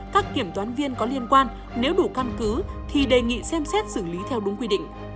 các kiểm toán viên có liên quan nếu đủ căn cứ thì đề nghị xem xét xử lý theo đúng quy định